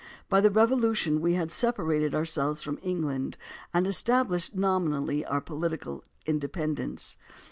By the Revolution we had separated ourselves from England and established nominally our political inde pendence.